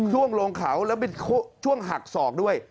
ช่วงลงเขาแล้วเป็นช่วงหักศอกด้วย